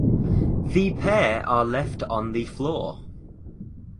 The pair are left on the floor.